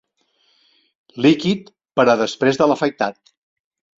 Líquid per a després de l'afaitat.